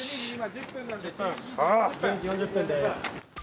１２時４０分です。